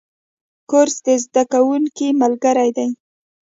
کورس د زده کوونکو ملګری دی.